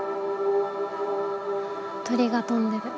鳥が飛んでる。